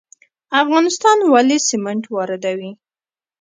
افغانستان ولې سمنټ واردوي؟